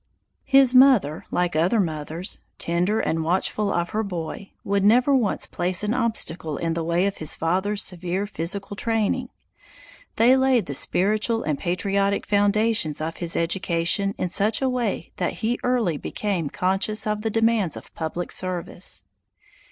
His mother, like other mothers, tender and watchful of her boy, would never once place an obstacle in the way of his father's severe physical training. They laid the spiritual and patriotic foundations of his education in such a way that he early became conscious of the demands of public service.